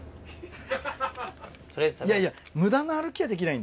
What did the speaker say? いやいや無駄な歩きはできないんだよ。